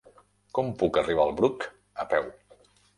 Com puc arribar al Bruc a peu?